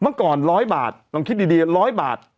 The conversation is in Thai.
เมื่อก่อนร้อยบาทลองคิดดีร้อยบาท